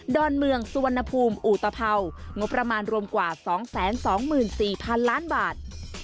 อนเมืองสุวรรณภูมิอุตภัวงบประมาณรวมกว่า๒๒๔๐๐๐ล้านบาท